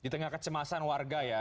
di tengah kecemasan warga ya